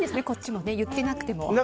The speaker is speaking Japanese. こっちも言ってなくても。